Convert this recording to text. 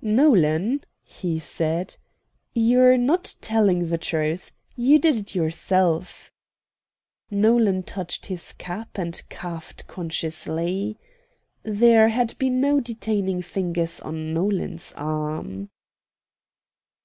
"Nolan," he said, "you're not telling the truth. You did it yourself." Nolan touched his cap and coughed consciously. There had been no detaining fingers on Nolan's arm.